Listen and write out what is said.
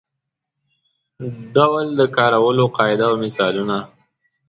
ډول د کارولو قاعده او مثالونه.